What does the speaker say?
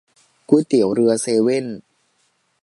ก๋วยเตี๋ยวเรือเซเว่น